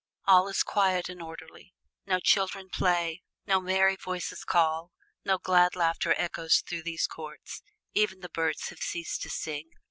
All is quiet and orderly. No children play, no merry voices call, no glad laughter echoes through these courts. Even the birds have ceased to sing.